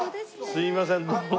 すいませんどうも。